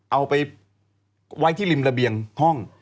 เอาไปไว้ที่ริมระเบียงห้อง